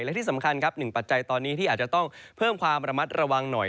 และที่สำคัญครับหนึ่งปัจจัยตอนนี้ที่อาจจะต้องเพิ่มความระมัดระวังหน่อย